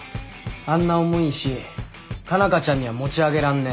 あんな重い石佳奈花ちゃんには持ち上げらんねえ。